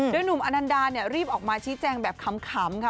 หนุ่มอนันดารีบออกมาชี้แจงแบบขำค่ะ